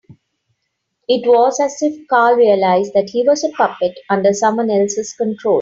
It was as if Carl realised that he was a puppet under someone else's control.